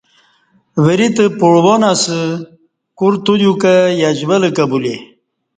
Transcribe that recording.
وری تہ پعوان اسہ کور تودیکں یشول کہ بولے